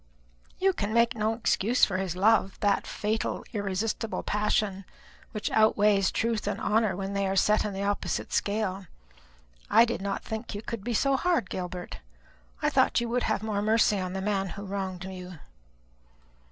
"You can make no excuse for his love, that fatal irresistible passion, which outweighs truth and honour when they are set in the opposite scale. I did not think you could be so hard, Gilbert; I thought you would have more mercy on the man who wronged you."